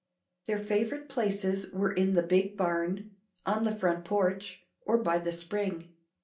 Their favorite places were in the big barn, on the front porch, or by the spring.